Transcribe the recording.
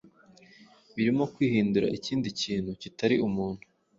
birimo kwihindura ikindi kintu kitari umuntu